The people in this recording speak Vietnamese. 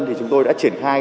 thì chúng tôi đã triển khai